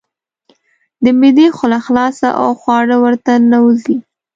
د معدې خوله خلاصه او خواړه ورته ننوزي.